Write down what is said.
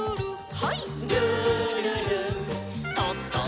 はい。